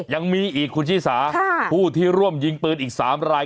ยังมีอีกคุณชิสาผู้ที่ร่วมยิงปืนอีก๓ราย